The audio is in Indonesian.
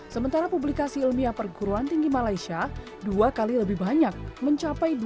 sementara publikasi ilmiah perguruan tinggi malaysia dua kali lebih banyak mencapai dua puluh empat ribu